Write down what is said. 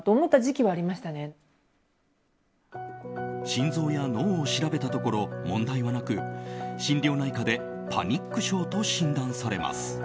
心臓や脳を調べたところ問題はなく心療内科でパニック症と診断されます。